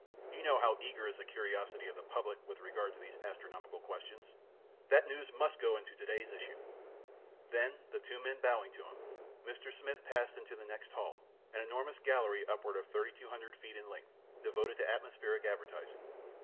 You know how eager is the curiosity of the public with regard to these astronomical questions. That news must go into to day's issue." Then, the two men bowing to him, Mr. Smith passed into the next hall, an enormous gallery upward of 3200 feet in length, devoted to atmospheric advertising.